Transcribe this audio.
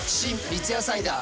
三ツ矢サイダー』